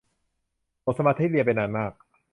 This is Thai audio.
หมดสมาธิเรียนไปนานมาก